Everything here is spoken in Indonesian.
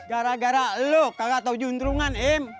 gara gara lo kagak tau jundrungan im